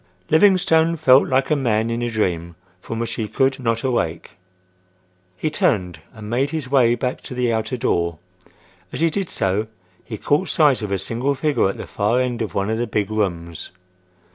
Livingstone felt like a man in a dream from which he could not awake. He turned and made his way back to the outer door. As he did so he caught sight of a single figure at the far end of one of the big rooms.